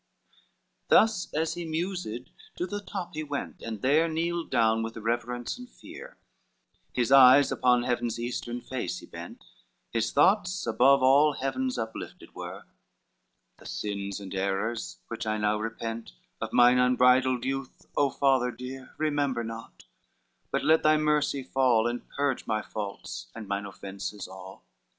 XIV Thus as he mused, to the top he went, And there kneeled down with reverence and fear, His eyes upon heaven's eastern face he bent, His thoughts above all heavens uplifted were: "The sins and errors, which I now repent, Of mine unbridled youth, O Father dear, Remember not, but let thy mercy fall, And purge my faults and mine offences all."